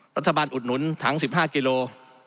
รัฐบาลอุดหนุนถัง๑๕กิโลกรัม